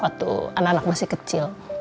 waktu anak anak masih kecil